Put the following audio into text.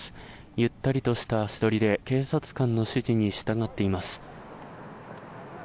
ゆったりとした足取りで警察官の指示に従っています。